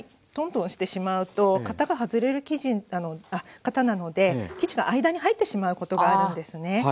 トントンしてしまうと型が外れる型なので生地が間に入ってしまうことがあるんですね。